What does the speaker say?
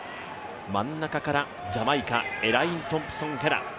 真ん中からジャマイカエライン・トンプソン・ヘラ。